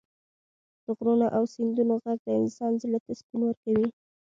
د غرونو او سیندونو غږ د انسان زړه ته سکون ورکوي.